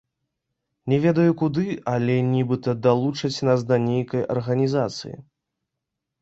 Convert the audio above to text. Не ведаю куды, але нібыта далучаць нас да нейкай арганізацыі.